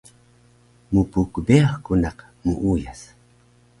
Mpkbeyax ku naq muuyas